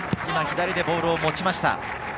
今、左へボールを持ちました。